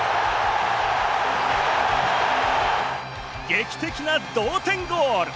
劇的な同点ゴール！